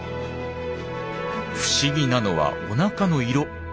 不思議なのはおなかの色。